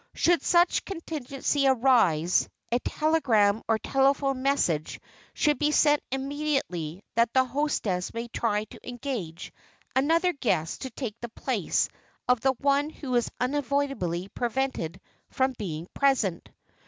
Should such a contingency arise, a telegram or telephone message should be sent immediately that the hostess may try to engage another guest to take the place of the one who is unavoidably prevented from being present.